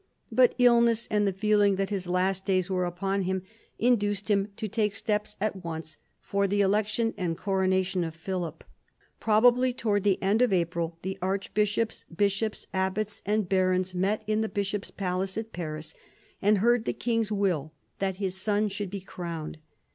But illness, and the feeling that "his last days" were upon him, induced him to take steps at once for the election and coronation of Philip. Probably towards the end of April the archbishops, bishops, abbats, and barons met in the bishop's palace at Paris and heard the king's will that his son should be crowned.